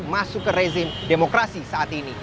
masuk ke rezim demokrasi saat ini